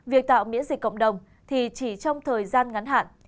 việc tạo miễn dịch cộng đồng thì chỉ trong thời gian ngắn hạn